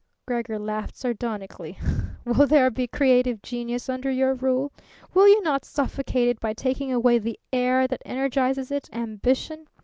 Gregor laughed sardonically. "Will there be creative genius under your rule? Will you not suffocate it by taking away the air that energizes it ambition?